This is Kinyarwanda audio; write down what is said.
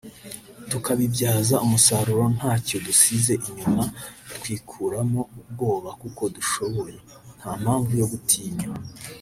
tukabibyaza umusaruro nta cyo dusize inyuma twikuramo ubwoba kuko dushoboye…nta mpamvu yo gutinya”